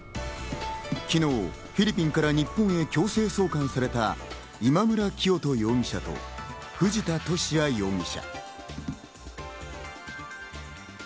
昨日、フィリピンから日本へ強制送還された、今村磨人容疑者と藤田聖也容疑者。